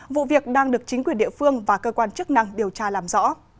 vụ việc đang được chính quyền địa phương và cơ quan chức năng điều tra làm rõ